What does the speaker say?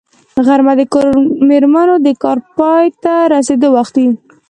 غرمه د کور مېرمنو د کار پای ته رسېدو وخت وي